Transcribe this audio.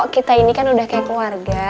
kita ini kan udah kayak keluarga